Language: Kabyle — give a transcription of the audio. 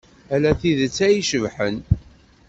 Ala tidet ay icebḥen.